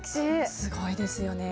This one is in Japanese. すごいですよね。